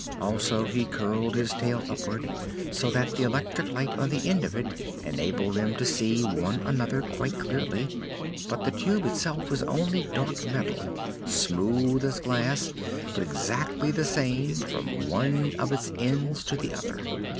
Also he curled his tail upward so that the electric light on the end of it enabled them to see one another quite clearly. But the Tube itself was only dark metal, smooth as glass but exactly the same from one of its ends to the other.